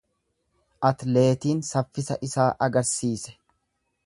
Atleetiin saffisa isaa agarsiise.